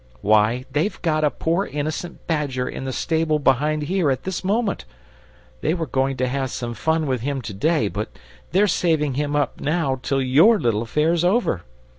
Why, they've got a poor innocent badger in the stable behind here, at this moment. They were going to have some fun with him to day, but they're saving him up now till YOUR little affair's over.